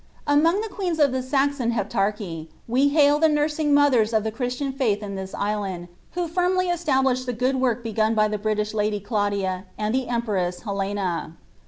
Among the queens of the Saxon Heptarchy, we hail the nursine mothers of the Christian faith in this island, who firmly established the good work begun by the British lady Claudia and the empress Helena.